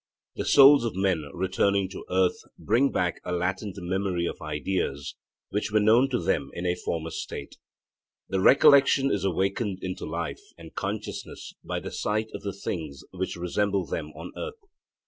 The souls of men returning to earth bring back a latent memory of ideas, which were known to them in a former state. The recollection is awakened into life and consciousness by the sight of the things which resemble them on earth.